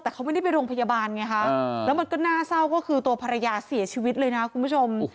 แต่เขาไม่ได้ไปโรงพยาบาลไงคะแล้วมันก็น่าเศร้าก็คือตัวภรรยาเสียชีวิตเลยนะคุณผู้ชม